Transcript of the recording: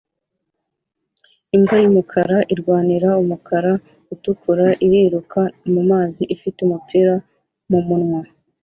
Imbwa yumukara irwanira umukara utukura iriruka mumazi ifite umupira mumunwa